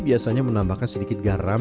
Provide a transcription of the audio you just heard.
biasanya menambahkan sedikit garam